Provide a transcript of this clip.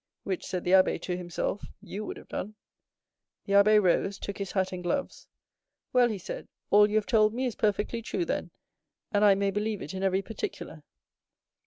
"Which," said the abbé to himself, "you would have done." The abbé rose, took his hat and gloves. "Well," he said, "all you have told me is perfectly true, then, and I may believe it in every particular."